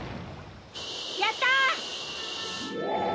やった！